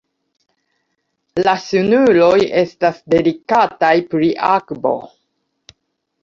La ŝnuroj estas delikataj pri akvo.